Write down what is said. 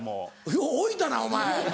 よう置いたなお前。